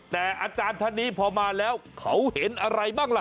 แต่อาจารย์ท่านนี้พอมาแล้วเขาเห็นอะไรบ้างล่ะ